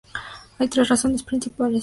Hay tres razones principales para esto.